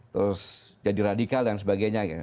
terus jadi radikal dan sebagainya